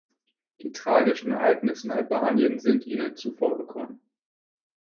Die tragischen Ereignisse in Albanien sind Ihnen zuvorgekommen.